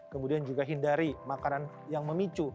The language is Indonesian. kemudian juga hindari makanan yang memicu